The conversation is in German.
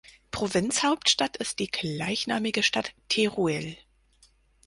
Provinzhauptstadt ist die gleichnamige Stadt Teruel.